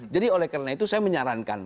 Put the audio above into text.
jadi oleh karena itu saya menyarankan